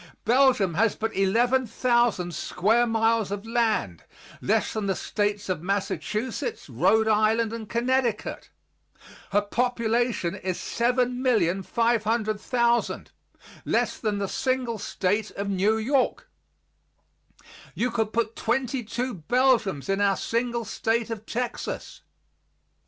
Belgium has but 11,000 square miles of land, less than the States of Massachusetts, Rhode Island and Connecticut. Her population is 7,500,000, less than the single State of New York. You could put twenty two Belgiums in our single State of Texas.